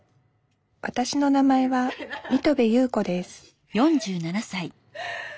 わたしの名前は水戸部裕子です